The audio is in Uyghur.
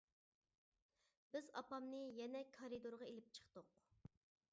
بىز ئاپامنى يەنە كارىدورغا ئېلىپ چىقتۇق.